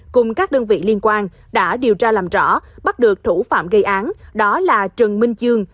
cùng các đơn vị liên quan đã điều tra làm rõ bắt được thủ phạm gây án đó là trần minh chương